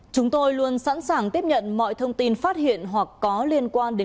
chúng tôi luôn sẵn sàng tiếp nhận mọi thông tin phát hiện